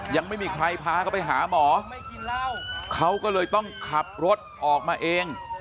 ยังไม่มีใครพาเขาไปหาหมอเขาก็เลยต้องขับรถออกมาเอง